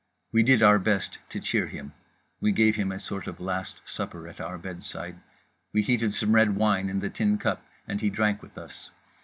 We did our best to cheer him; we gave him a sort of Last Supper at our bedside, we heated some red wine in the tin cup and he drank with us.